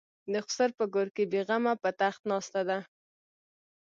د خسر په کور کې بې غمه په تخت ناسته ده.